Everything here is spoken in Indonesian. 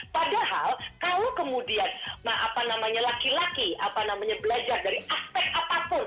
padahal kalau kemudian laki laki belajar dari aspek apapun